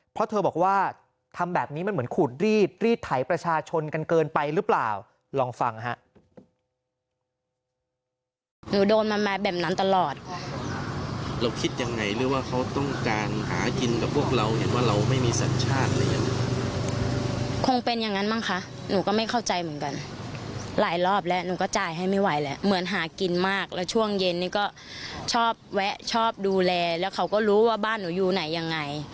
เพราะเธอบอกว่าทำแบบนี้มันเหมือนขูดรีดรีดไถประชาชนกันเกินไปหรือเปล่าลองฟังฮะ